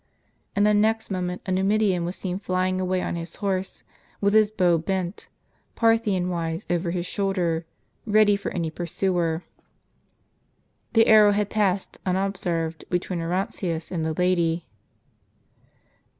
In the next moment a Numidian was seen flying away on his horse, with his bow bent, Parthian wise over his shoulder, ready for any pursuer. The arrow had passed, unobserved, between Orontius and the lady.